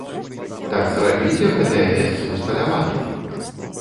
Так зрабіце гэтыя месцы усталяванымі!